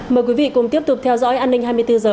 mời quý vị cùng tiếp tục theo dõi an ninh hai mươi bốn h